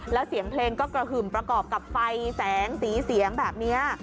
แล้วเสียงเพลงก็กระหึ่มประกอบกับไฟแสงสีเสียงแบบนี้